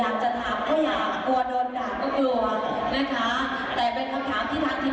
อยากจะถามถ้าอยากกลัวโดนด่าก็กลัวนะคะแต่เป็นคำถามที่ทางทีม